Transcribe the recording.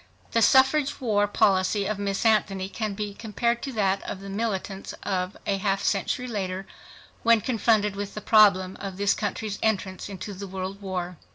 The suffrage war policy of Miss Anthony can be compared to that of the militants a half century later when confronted with the problem of this country's entrance into the world war.